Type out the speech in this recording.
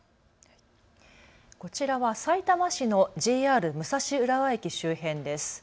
こちらはさいたま市のＪＲ武蔵浦和駅周辺です。